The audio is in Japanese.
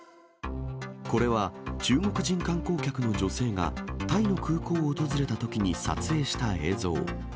これは、中国人観光客の女性が、タイの空港を訪れたときに撮影した映像。